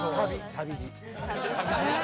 旅路。